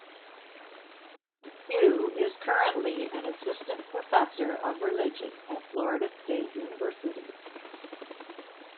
Yu is currently an Assistant Professor of Religion at Florida State University.